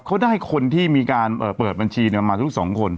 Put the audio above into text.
เขาได้คนที่มีการเปิดบัญชีมาทุก๒คน